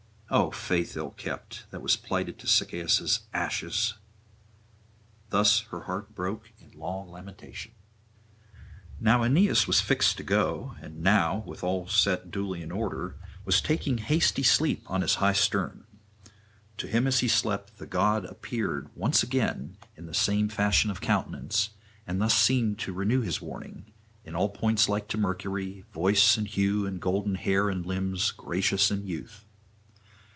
O faith ill kept, that was plighted to Sychaeus' ashes!' Thus her heart broke in long lamentation. Now Aeneas was fixed to go, and now, with all set duly in order, was taking hasty sleep on his high stern. To him as he slept the god appeared once again in the same fashion of countenance, and thus seemed to renew his warning, in all points like to Mercury, voice and hue and golden hair and limbs gracious in youth.